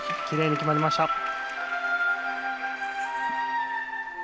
きれいに決まりました。